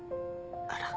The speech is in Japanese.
あら。